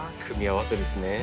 組み合わせですね。